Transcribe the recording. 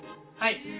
はい。